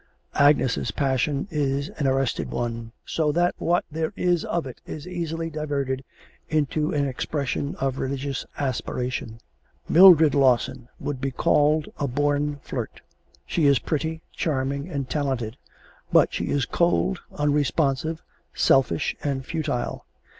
Agnes's passion is an arrested one, so that what there is of it is easily diverted into an expression of religious aspiration. Mildred Lawson would be called a born flirt. She is pretty, charming, and talented; but she is cold, unresponsive, selfish, and futile.